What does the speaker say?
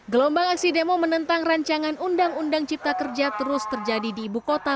gelombang aksi demo menentang rancangan undang undang cipta kerja terus terjadi di ibu kota